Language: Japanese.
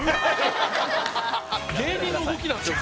芸人の動きなんですよ